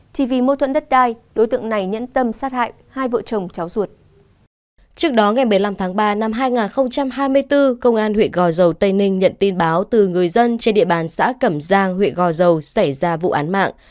trước đó ngày một mươi năm tháng ba năm hai nghìn hai mươi bốn công an huyện gò dầu tây ninh nhận tin báo từ người dân trên địa bàn xã cẩm giang huyện gò dầu xảy ra vụ án mạng